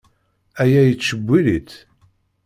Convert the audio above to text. Aya yettcewwil-itt.